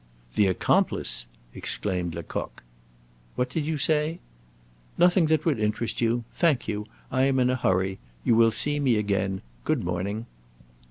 "The accomplice!" exclaimed Lecoq. "What did you say?" "Nothing that would interest you. Thank you. I am in a hurry. You will see me again; good morning."